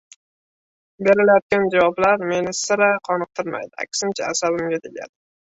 Berilayotgan javoblar meni sira qoniqtirmaydi, aksincha asabimga tegadi: